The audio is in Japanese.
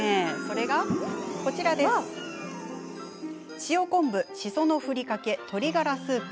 塩昆布、しそのふりかけ鶏ガラスープ。